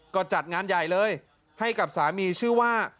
ก็จัดงานใหญ่เลยให้กับสามีชื่อว่า